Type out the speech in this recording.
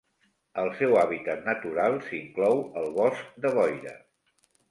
El seu hàbitat natural s'inclou el bosc de boira.